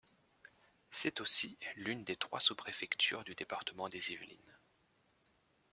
C'est aussi l'une des trois sous-préfectures du département des Yvelines.